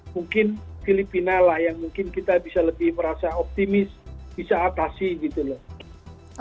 mungkin filipina lah yang mungkin kita bisa lebih merasa optimis bisa atasi gitu loh